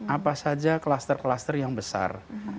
apa saja kluster kluster yang besar